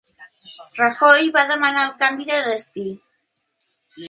Rajoy va demanar el canvi de destí